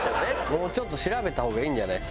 もうちょっと調べた方がいいんじゃない？